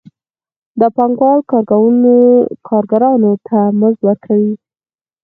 دا پانګوال کارګرانو ته مزد ورکوي